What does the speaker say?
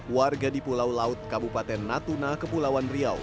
warga di pulau laut kabupaten natuna kepulauan riau